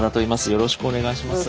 よろしくお願いします。